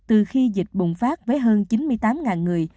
từ khi dịch bùng phát với hơn chín mươi tám người